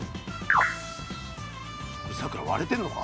さくら割れてんのか？